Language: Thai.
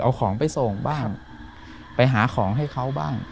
เอาของไปส่งบ้างไปหาของให้เขาบ้าง